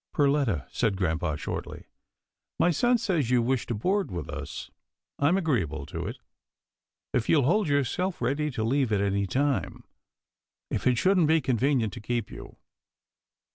" Perletta," said grampa, shortly, " my son says you wish to board with us. I'm agreeable to it, if you'll hold yourself ready to leave at any time, if it shouldn't be convenient to keep you."